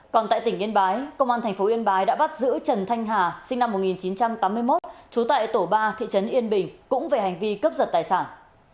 còn tại tỉnh yên bái công an tp yên bái đã bắt giữ trần thanh hà sinh năm một nghìn chín trăm tám mươi một trú tại tổ ba thị trấn yên bình cũng về hành vi cướp giật tài sản